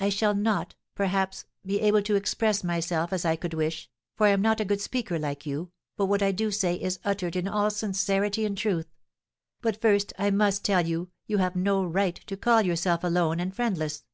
I shall not, perhaps, be able to express myself as I could wish, for I am not a good speaker like you, but what I do say is uttered in all sincerity and truth; but first I must tell you you have no right to call yourself alone and friendless."